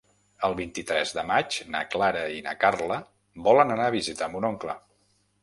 El vint-i-tres de maig na Clara i na Carla volen anar a visitar mon oncle.